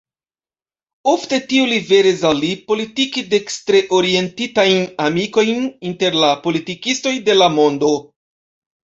Ofte tio liveris al li politike dekstre-orientitajn amikojn inter la politikistoj de la mondo.